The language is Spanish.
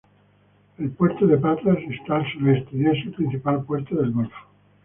El puerto de Patras está al sureste y es el principal puerto del golfo.